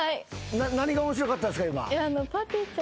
何が面白かったですか？